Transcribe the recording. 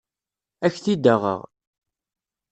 Ad ak-t-id-aɣeɣ.